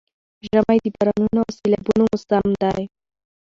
ژمی د بارانونو او سيلابونو موسم دی؛